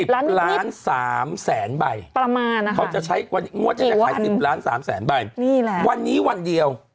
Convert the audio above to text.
๑๐ล้าน๓แสนใบประมาณนะคะเขาจะใช้งวดจะขาย๑๐ล้าน๓แสนใบ